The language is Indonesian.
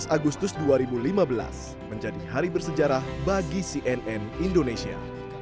tujuh belas agustus dua ribu lima belas menjadi hari bersejarah bagi cnn indonesia